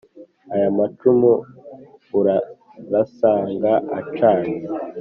aya macumu urasanga acanye